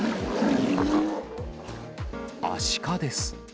アシカです。